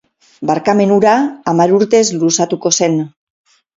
Barkamen hura, hamar urtez luzatuko zen.